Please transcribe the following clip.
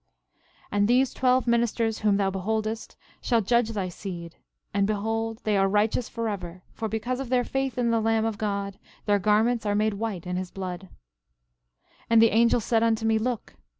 12:10 And these twelve ministers whom thou beholdest shall judge thy seed. And, behold, they are righteous forever; for because of their faith in the Lamb of God their garments are made white in his blood. 12:11 And the angel said unto me: Look!